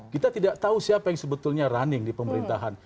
kita tidak tahu siapa yang sebetulnya running di pemerintahan